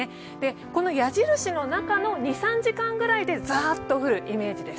この矢印の中の２３時間ぐらいでザーッと降るイメージです。